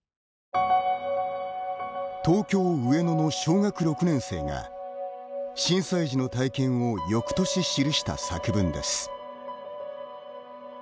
東京・上野の小学６年生が震災時の体験をよくとし、記した作文です。